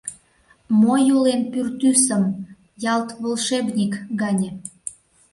Мо юлен пӱртӱсым ялт волшебник гане?